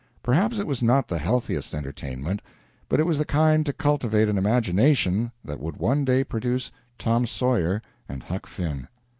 Perhaps it was not the healthiest entertainment, but it was the kind to cultivate an imagination that would one day produce "Tom Sawyer" and "Huck Finn."